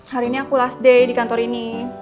hari ini aku last day di kantor ini